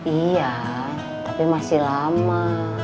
iya tapi masih lama